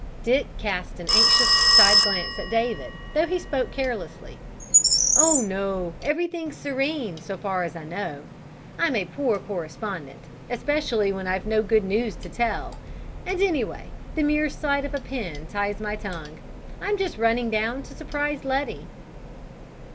Dick cast an anxious side glance at David, though he spoke carelessly. "Oh, no! Everything's serene, so far as I know. I'm a poor correspondent, especially when I've no good news to tell; and anyway, the mere sight of a pen ties my tongue. I'm just running down to surprise Letty."